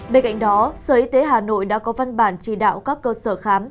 bên cạnh đó sở y tế hà nội đã có văn bản chỉ đạo các cơ sở khám